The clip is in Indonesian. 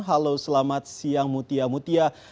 halo selamat siang mutia